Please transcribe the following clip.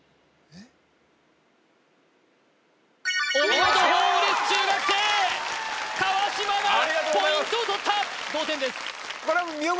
お見事「ホームレス中学生」川島がポイントをとった同点ですありがとうございます